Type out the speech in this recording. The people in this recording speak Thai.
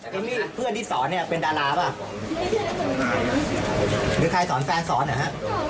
เอมมี่เพื่อนที่สอนเนี่ยเป็นดาราป่ะหรือใครสอนแฟนสอนเหรอฮะ